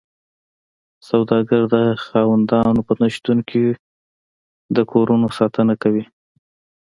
سوداګر د خاوندانو په نشتون کې د کورونو ساتنه کوي